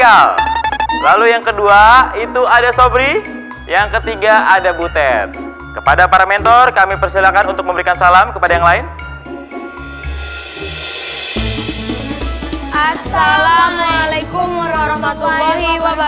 assalamualaikum warahmatullahi wabarakatuh